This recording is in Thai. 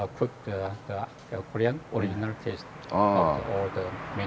ยังพอต้องใช้หน้าแห่งเรียนอาณาชาติคชิน